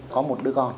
có một đứa con